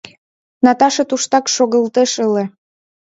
Наташа туштак шогылтеш ыле.